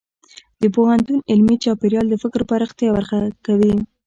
د پوهنتون علمي چاپېریال د فکر پراختیا ورکوي.